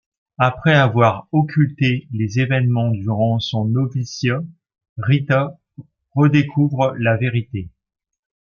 Après avoir occulté les événements durant son noviciat, Rita redécouvre la vérité.